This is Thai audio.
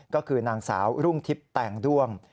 ก็คือนางสาวรุ่งทิพย์แตงด้วง